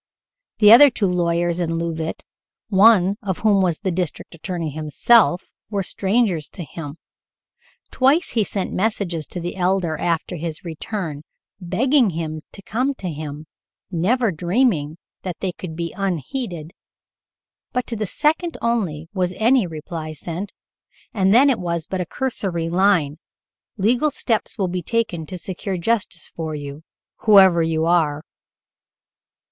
The other two lawyers in Leauvite, one of whom was the district attorney himself, were strangers to him. Twice he sent messages to the Elder after his return, begging him to come to him, never dreaming that they could be unheeded, but to the second only was any reply sent, and then it was but a cursory line. "Legal steps will be taken to secure justice for you, whoever you are."